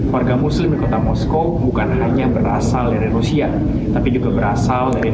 warga muslim di kota moskow bukan hanya berasal dari rusia tapi juga berasal dari